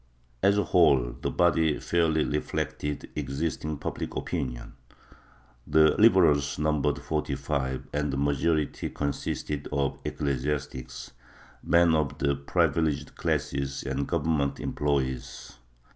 As a whole, the body fairly reflected existing public opinion. The Liberals numbered forty five, and the majority consisted of eccle siastics, men of the privileged classes and government employees.